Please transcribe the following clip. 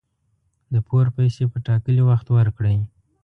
د پور پیسي په ټاکلي وخت ورکړئ